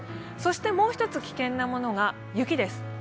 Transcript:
そしてもう一つ危険なものが雪です。